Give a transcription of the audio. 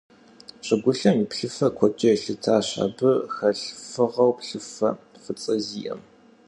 ЩӀыгулъым и плъыфэр куэдкӀэ елъытащ абы хэлъ фыгъэу плъыфэ фӀыцӀэ зиӀэм.